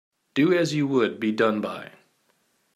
Do as you would be done by.